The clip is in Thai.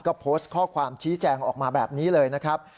ก็โพสต์ข้อความชี้แจงออกมาแบบนี้เลยนะครับ